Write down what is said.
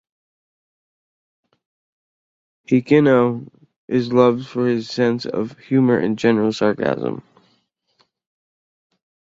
Hikino is loved for his sense of humor and general sarcasm.